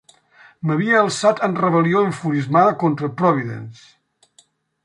M'havia alçat en rebel·lió enfurismada contra Providence.